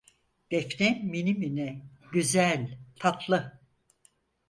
Defne minimini, güzel, tatlı.